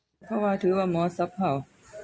พุริคกคะวะถือว่าหมอสับเผา